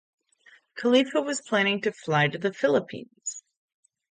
Khalifa was planning to fly to the Philippines.